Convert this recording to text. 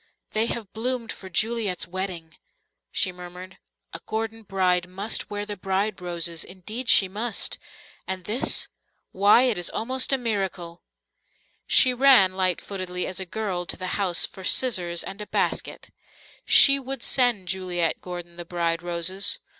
"They have bloomed for Juliet's wedding," she murmured. "A Gordon bride must wear the bride roses, indeed she must. And this why, it is almost a miracle." She ran, light footedly as a girl, to the house for scissors and a basket. She would send Juliet Gordon the bride roses.